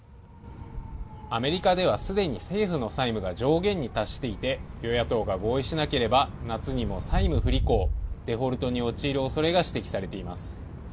アメリカでは既に政府の債務が上限に達していて、与野党が合意しなければ夏にも債務不履行＝デフォルトに陥る恐れが指摘されています。